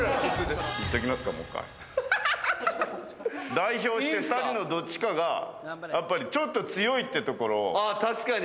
代表して２人のどっちかがちょっと強いっていうところを。